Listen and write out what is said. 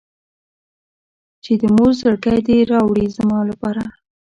چې د مور زړګی دې راوړي زما لپاره.